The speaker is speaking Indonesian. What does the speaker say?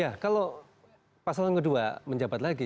ya kalau pasangan kedua menjabat lagi